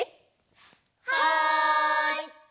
はい！